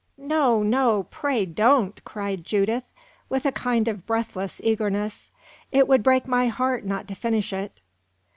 "No, no, pray don't!" cried Judith, with a kind of breathless eagerness. "It would break my heart not to finish it."